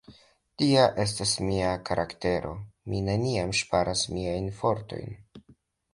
Tia estas mia karaktero, mi neniam ŝparas miajn fortojn!